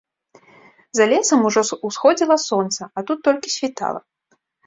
За лесам ужо ўсходзіла сонца, а тут толькі світала.